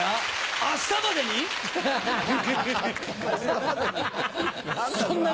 明日までに？